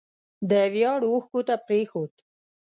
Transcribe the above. د ویاړ اوښکو ته پرېښود